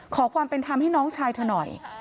ขอความเป็นธรรมให้น้องชายเธอหน่อย